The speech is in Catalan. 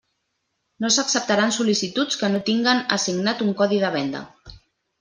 No s'acceptaran sol·licituds que no tinguen assignat un codi de venda.